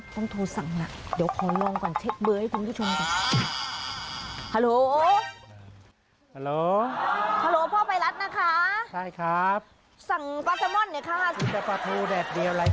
ต้องทูสั่งน่ะเดี๋ยวขอลองก่อนเช็กเบอร์ให้พวกทุกชนด้วย